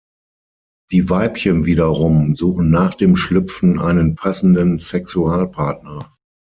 Die Weibchen wiederum suchen nach dem Schlüpfen einen passenden Sexualpartner.